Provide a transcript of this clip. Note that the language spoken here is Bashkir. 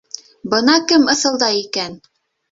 Бына кем ыҫылдай икән!